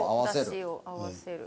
出汁を合わせる。